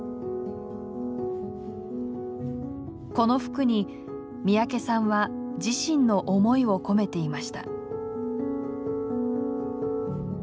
この服に三宅さんは自身の思いを込めていました。